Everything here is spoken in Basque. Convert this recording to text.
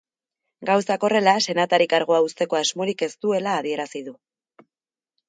Gauzak horrela, senatari kargua uzteko asmorik ez duela adierazi du.